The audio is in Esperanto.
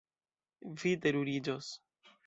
Vi teruriĝos.